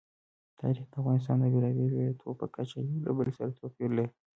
تاریخ د افغانستان د بېلابېلو ولایاتو په کچه یو له بل سره توپیر لري.